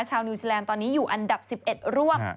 นิวซีแลนด์ตอนนี้อยู่อันดับ๑๑ร่วม